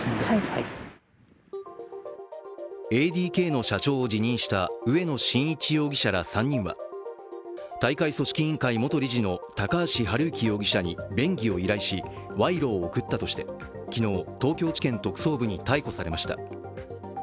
ＡＤＫの社長を辞任した植野伸一容疑者ら３人は大会組織委員会元理事の高橋治之容疑者に便宜を依頼し、賄賂を贈ったとして、昨日東京地検特捜部に逮捕されました。